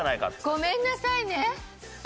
ごめんなさいね私で。